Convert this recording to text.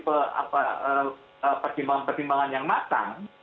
pertimbangan pertimbangan yang matang